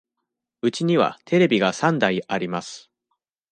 うちにはテレビが三台あります。